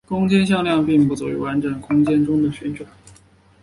空间向量并不足以完整描述空间中的旋转。